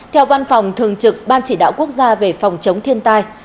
theo văn phòng thường trực ban chỉ đạo quốc gia về phòng chống thiên tai